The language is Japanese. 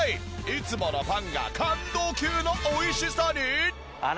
いつものパンが感動級の美味しさに！